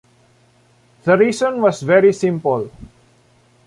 The reason was very simple.